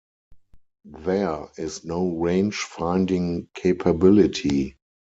There is no range-finding capability.